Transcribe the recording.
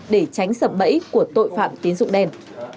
để tránh sập bẫy của tội phạm tín dụng đen